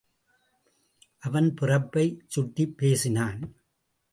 அவன் பிறப்பைச் சுட்டிப் பேசினான்.